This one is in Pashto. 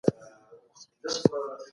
سړي وویل